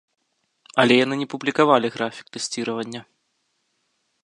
Але яны не публікавалі графік тэсціравання.